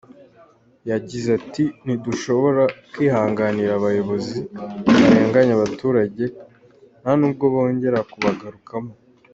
Yagize ati “Ntidushobora kwihanganira abayobozi barenganya abaturage, nta nubwo bongera kubagarukamo.